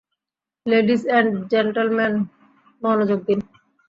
Ladies and gentlemen, মনোযোগ দিন।